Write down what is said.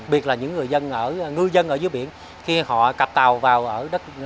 biệt là những người dân ở ngư dân ở dưới biển khi họ cặp tàu vào ở đất